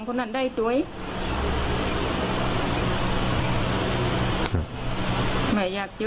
กลุ่มตัวเชียงใหม่